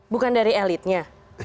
bukan dari elitnya